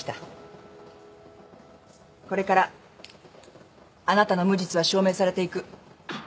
これからあなたの無実は証明されていく。